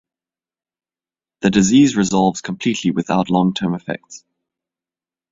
The disease resolves completely without long-term effects.